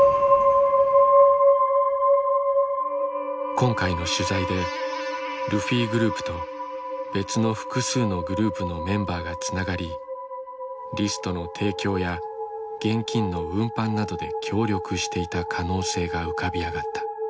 今回の取材でルフィグループと別の複数のグループのメンバーがつながりリストの提供や現金の運搬などで協力していた可能性が浮かび上がった。